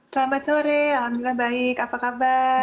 selamat sore alhamdulillah baik apa kabar